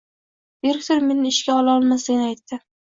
Direktor meni ishga ola olmasligini aytdi